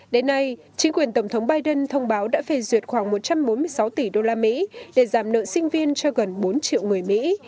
đến nay chính quyền tổng thống biden thông báo đã phê duyệt khoảng một trăm bốn mươi sáu tỷ đô la mỹ để giảm nợ sinh viên cho gần bốn triệu người mỹ